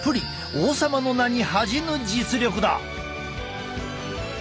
王様の名に恥じぬ実力だ！